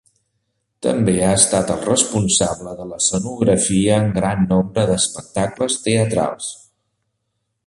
També ha estat el responsable de l'escenografia en gran nombre d'espectacles teatrals.